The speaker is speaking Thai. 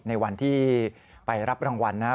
ในวันที่ไปรับรางวัลนะ